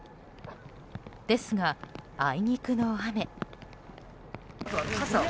ですが、あいにくの雨。